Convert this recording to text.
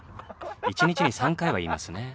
一日に３回は言いますね。